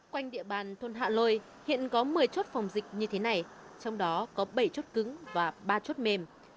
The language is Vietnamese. quanh địa bàn thôn hạ lôi hiện có một mươi chốt phòng dịch như thế này trong đó có bảy chốt cứng và ba chốt mềm